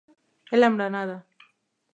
علم رڼا ده.